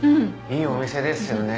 いいお店ですよね